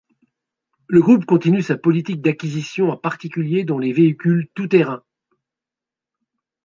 Le groupe continue sa politique d'acquisitions, en particulier dans les véhicules tout-terrain.